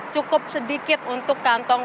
cukup sedikit untuk kantong